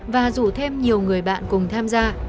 và rủ thêm nhiều người bạn cùng tham gia